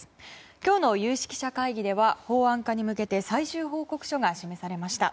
今日の有識者会議では法案化に向けて最終報告書が示されました。